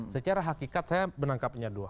secara hakikat saya menangkapnya dua